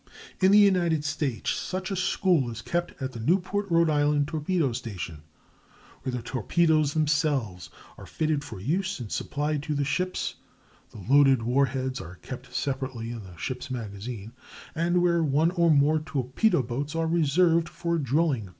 In the United States such a school is kept at the Newport (R. I.) Torpedo Station, where the torpedoes themselves are fitted for use and supplied to the ships (the loaded war heads are kept separately in the ship's magazine), and where one or more torpedo boats are reserved for drilling purposes.